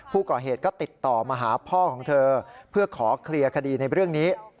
ผู้ก่อเหตุก็ติดต่อมาหาพ่อของเธอเพื่อขอเคลียร์คดีในเรื่องนี้